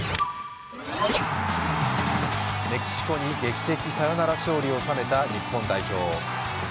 メキシコに劇的サヨナラ勝利を収めた日本代表。